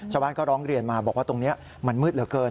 ชาวบ้านก็ร้องเรียนมาบอกว่าตรงนี้มันมืดเหลือเกิน